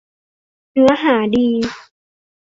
เนื้อหาดี